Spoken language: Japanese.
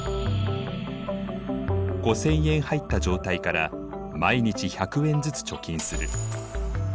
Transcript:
５０００円入った状態から毎日１００円ずつ貯金する。